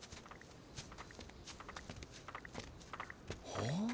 ほう。